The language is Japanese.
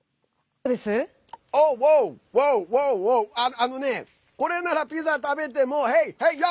あのね、これならピザ食べてもＨｅｙｙｏ！